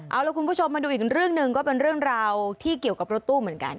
เอาล่ะคุณผู้ชมมาดูอีกเรื่องหนึ่งก็เป็นเรื่องราวที่เกี่ยวกับรถตู้เหมือนกัน